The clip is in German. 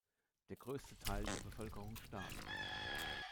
Der größte Teil der Bevölkerung starb.